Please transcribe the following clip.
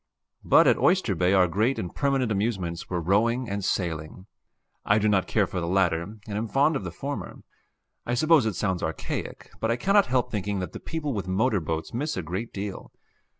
But at Oyster Bay our great and permanent amusements were rowing and sailing; I do not care for the latter, and am fond of the former. I suppose it sounds archaic, but I cannot help thinking that the people with motor boats miss a great deal.